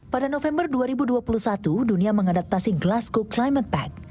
pada november dua ribu dua puluh satu dunia mengadaptasi glasgow climate pack